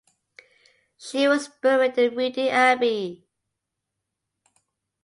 She was buried in Reading Abbey.